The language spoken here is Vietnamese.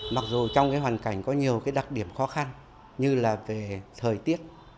mặc dù trong hoàn cảnh có nhiều đặc điểm khó khăn như là về thời tiết